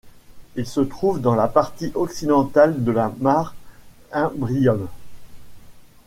Il se trouve dans la partie occidentale de la Mare Imbrium.